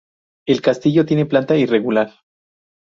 El castillo tiene planta irregular.